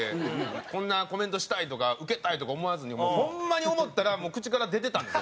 こんなコメントしたいとかウケたいとか思わずにホンマに思ったら口から出てたんですよ。